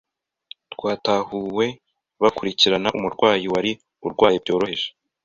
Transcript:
Twatahuwe bakurikirana umurwayi wari urwaye byoroheje